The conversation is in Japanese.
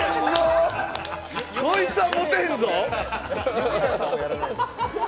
こいつはモテへんぞ！